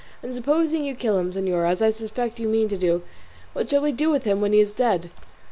And supposing you kill him, señora, as I suspect you mean to do, what shall we do with him when he is dead?"